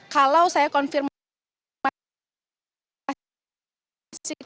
kalau saya konfirmasi